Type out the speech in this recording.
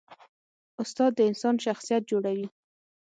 استاد د انسان شخصیت جوړوي.